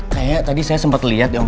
kayaknya tadi saya sempet liat om